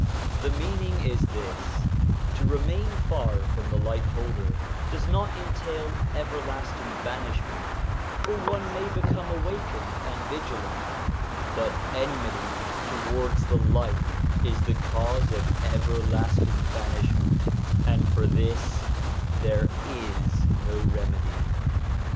The meaning is this : to remain far from the light holder does not entail everlasting banishment, for one may become awakened and vigilant; but enmity towards the light is the cause of everlasting banish ment, and for this there is no remedy.